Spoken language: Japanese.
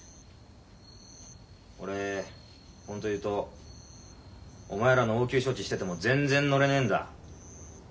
俺ホント言うとお前らの応急処置してても全然のれねえんだ。